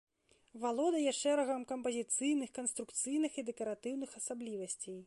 Валодае шэрагам кампазіцыйных, канструкцыйных і дэкаратыўных асаблівасцей.